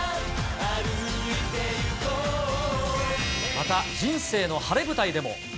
また、人生の晴れ舞台でも。